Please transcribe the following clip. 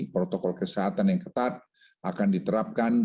protokol kesehatan yang ketat akan diterapkan